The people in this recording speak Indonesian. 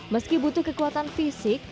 meski butuh kekuatan fisik